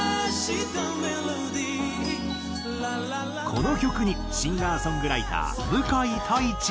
この曲にシンガーソングライター向井太一は。